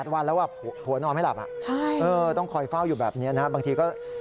วันแล้วผัวนอนไม่หลับต้องคอยเฝ้าอยู่แบบนี้นะบางทีก็